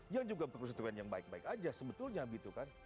yang juga berkonstituen yang baik baik aja sebetulnya gitu kan